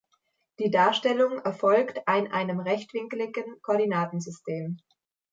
Die Darstellung erfolgt ein einem rechtwinkligen Koordinatensystem.